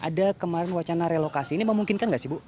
ada kemarin wacana relokasi ini memungkinkan nggak sih bu